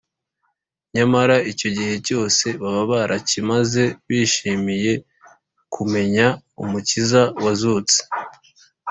nyamara icyo gihe cyose baba barakimaze bishimiye kumenya umukiza wazutse